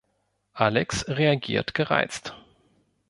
Alex reagiert gereizt.